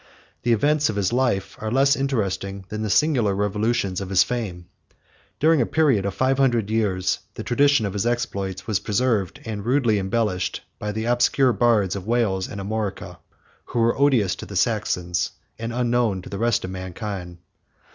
The events of his life are less interesting than the singular revolutions of his fame. During a period of five hundred years the tradition of his exploits was preserved, and rudely embellished, by the obscure bards of Wales and Armorica, who were odious to the Saxons, and unknown to the rest of mankind.